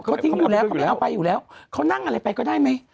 เขาไม่เอาไปอยู่แล้วเขานั่งอะไรไปก็ได้ไหม